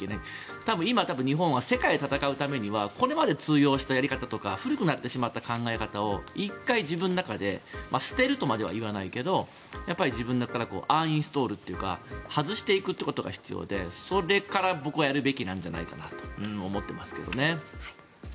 多分、今日本は世界で戦うためにはこれまで通用したやり方とか古くなってしまった考え方を一回自分の中で捨てるとまでは言わないけど自分の中からアンインストールというか外していくということが必要でそれから僕はやるべきなんじゃないかなと思っていますけどね。